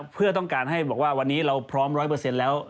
เพื่อต้องการให้บอกว่าวันนี้เราพร้อม๑๐๐เปอร์เซ็นต์แล้ว